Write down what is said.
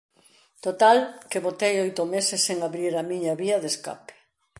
Total, que botei oito meses en abrir a miña vía de escape.